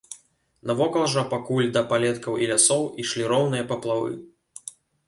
Навокал жа, пакуль да палеткаў і лясоў, ішлі роўныя паплавы.